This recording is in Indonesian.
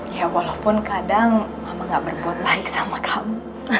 ya walaupun kadang aku gak berbuat baik sama kamu